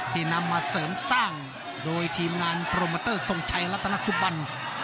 นำมาเสริมสร้างโดยทีมงานโปรโมเตอร์ทรงชัยรัตนสุบัน